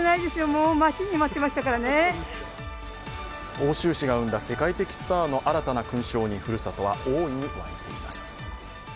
奥州市が生んだ世界的スターの新たな勲章に故郷は大いに沸いています。